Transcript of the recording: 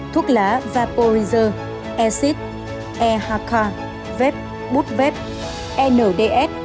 thuốc lá vaporizer acid ehk vep bút vep nds